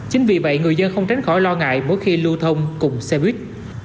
chính vì vậy người dân không tránh khỏi lo ngại mỗi khi lưu thông cùng xe buýt